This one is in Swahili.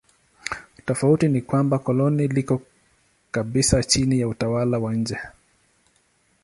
Tofauti ni kwamba koloni liko kabisa chini ya utawala wa nje.